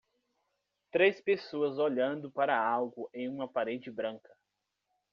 Três pessoas olhando para algo em uma parede branca.